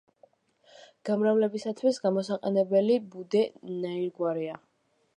გამრავლებისათვის გამოსაყენებელი ბუდე ნაირგვარია.